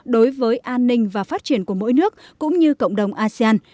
đối với an ninh và phát triển của mỗi nước cũng như cộng đồng asean